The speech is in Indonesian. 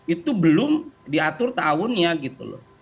itu belum diatur ta'awunnya gitu loh